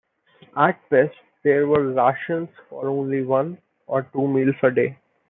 At best there were rations for only one or two meals a day.